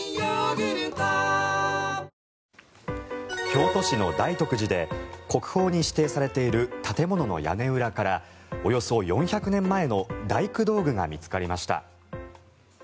京都市の大徳寺で国宝に指定されている建物の屋根裏からおよそ４００年前の大工道具が見つかりました。